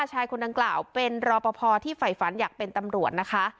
ชายคนดังกล่าวเป็นรอปภที่ฝ่ายฝันอยากเป็นตำรวจนะคะ